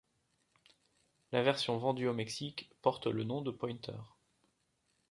La version vendue au Mexique porte le nom de Pointer.